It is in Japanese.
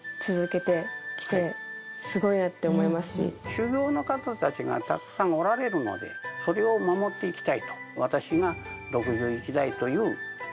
修行の方たちがたくさんおられるのでそれを守っていきたいと。